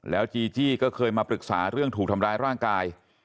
จีจี้ก็เคยมาปรึกษาเรื่องถูกทำร้ายร่างกาย